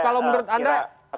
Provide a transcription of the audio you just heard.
kalau menurut anda